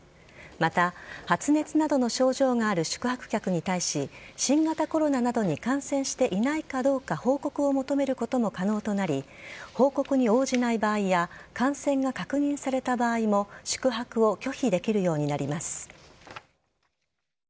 また、発熱などの症状がある宿泊客に対し新型コロナなどに感染していないかどうか報告を求めることも可能となり報告に応じない場合や感染が確認された場合も宿泊を拒否できるようになります。